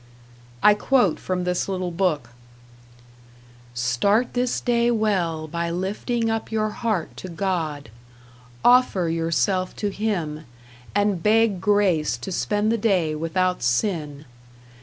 I quote from this little book: Start this day well by lifting up your heart to God. Offer yourself to Him, and beg grace to spend the day without sin.